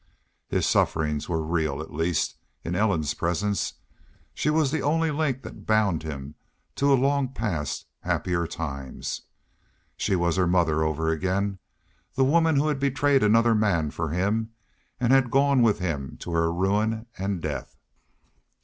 His sufferings were real, at least, in Ellen's presence. She was the only link that bound him to long past happier times. She was her mother over again the woman who had betrayed another man for him and gone with him to her ruin and death.